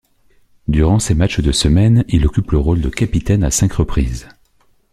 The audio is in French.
Durant ces matchs de semaine, il occupe le rôle de capitaine à cinq reprises.